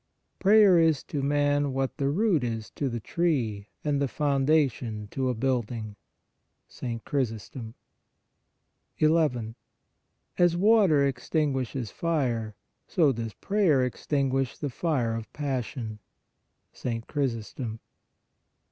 Prayer is to man what the root is to the tree and the foundation to a building (St. Chrysostom). 11. As water extinguishes fire, so does prayer ex tinguish the fire of passion (St. Chrysostom).